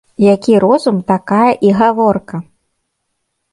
Які розум, такая і гаворка